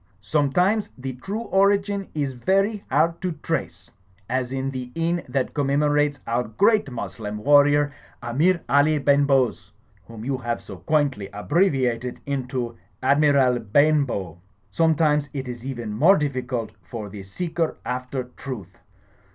Sometimes the true origin is very hard to trace; as in the inn that commemorates our great Moslem Warrior, Amir Ali Ben Bhoze, whom you have so quaintly abbreviated into Admiral Ben bow. Sometimes it is even more difficult for the seeker after truth.